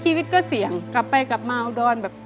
ชีวิตก็เสี่ยงกลับไปกลับมาอุดรแบบ